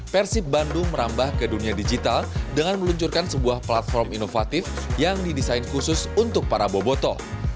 persib bandung merambah ke dunia digital dengan meluncurkan sebuah platform inovatif yang didesain khusus untuk para boboto